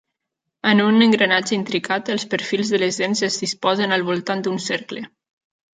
En un engranatge intricat, els perfils de les dents es disposen al voltant d'un cercle.